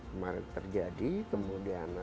kemarin terjadi kemudian